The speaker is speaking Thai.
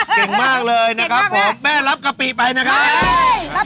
เก่งมากเลยนะครับผมแม่รับกะปิไปนะครับ